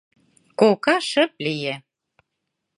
Кока шып лие.